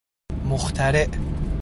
مخترع